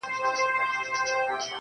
د ملا لوري نصيحت مه كوه .